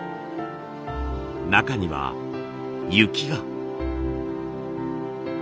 中には雪が。